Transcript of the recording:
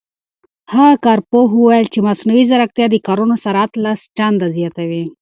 هغه کارپوه وویل چې مصنوعي ځیرکتیا د کارونو سرعت لس چنده زیاتوي.